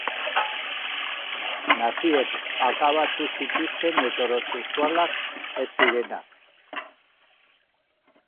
Naziek akabatu zituzten heterosexualak ez zirenak.